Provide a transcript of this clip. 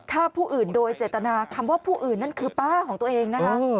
ฆ่าผู้อื่นโดยเจตนาคำว่าผู้อื่นนั่นคือป้าของตัวเองนะคะ